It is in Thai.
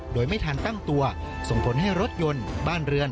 โดยไม่ทันตั้งตัวส่งผลให้รถยนต์บ้านเรือน